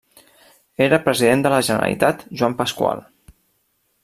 Era President de la Generalitat Joan Pasqual.